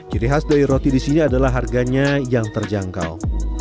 ciri khas dari roti di sini adalah harganya yang terjangkau